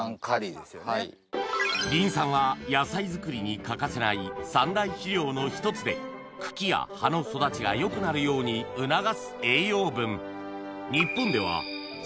リン酸は野菜作りに欠かせない三大肥料のひとつで茎や葉の育ちが良くなるように促す栄養分